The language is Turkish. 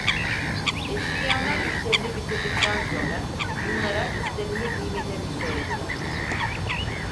Eşkıyalar işlerini bitirdikten sonra bunlara üstlerini giymelerini söylediler.